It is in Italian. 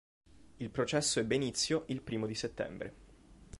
Il processo ebbe inizio il primo di settembre.